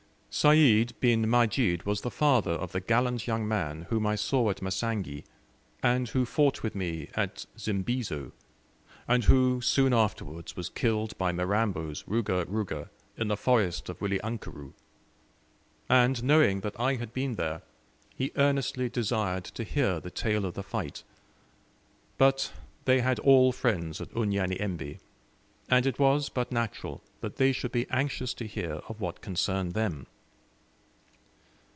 Sayd bin Majid was the father of the gallant young man whom I saw at Masangi, and who fought with me at Zimbizo, and who soon afterwards was killed by Mirambo's Ruga Ruga in the forest of Wilyankuru; and, knowing that I had been there, he earnestly desired to hear the tale of the fight; but they had all friends at Unyanyembe, and it was but natural that they should be anxious to hear of what concerned them.